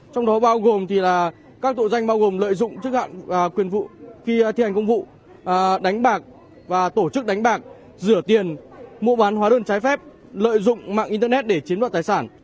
trong đó bao gồm là các tội danh bao gồm lợi dụng chức hạn quyền vụ khi thi hành công vụ đánh bạc và tổ chức đánh bạc rửa tiền mua bán hóa đơn trái phép lợi dụng mạng internet để chiếm đoạt tài sản